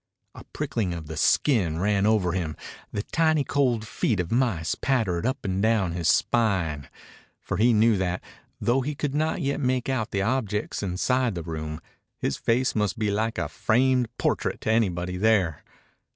A prickling of the skin ran over him. The tiny cold feet of mice pattered up and down his spine. For he knew that, though he could not yet make out the objects inside the room, his face must be like a framed portrait to anybody there.